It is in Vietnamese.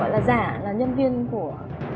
gọi là giả là nhân viên của